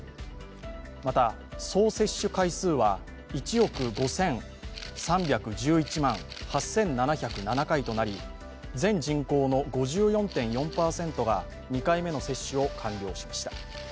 また、総接種回数は１億５３１１万８７０７回となり、全人口の５４．４％が２回目の接種を完了しました。